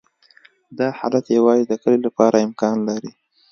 دا حالت یوازې د کلې لپاره امکان لري